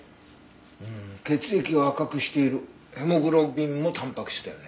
うーん血液を赤くしているヘモグロビンもタンパク質だよね。